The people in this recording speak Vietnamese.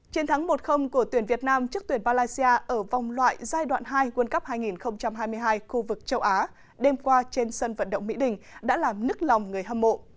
chiến thắng một của tuyển việt nam trước tuyển malaysia ở vòng loại giai đoạn hai world cup hai nghìn hai mươi hai khu vực châu á đêm qua trên sân vận động mỹ đình đã làm nức lòng người hâm mộ